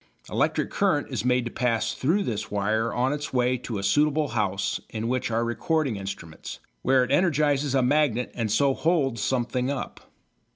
Electric current is made to pass through this wire on its way to a suitable house in which are recording instruments, where it energises a magnet and so holds something up.